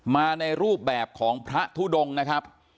มาในรูปแบบของพระทุดงนะครับ